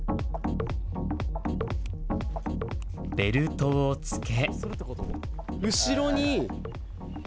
ベルトを着け。